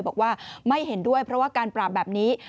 บอกว่าไม่เห็นด้วยเพราะว่าการปราบแบบนี้